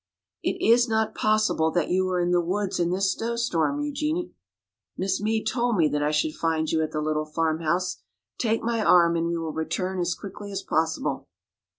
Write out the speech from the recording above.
"It is not possible that you are in the woods in this snowstorm, Eugenie! Miss Meade told me that I should find you at the little farmhouse. Take my arm and we will return as quickly as possible."